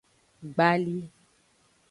Gbali.